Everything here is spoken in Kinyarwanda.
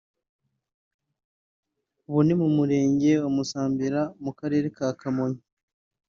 ubu ni mu Murenge wa Musambira muKarere ka Kamonyi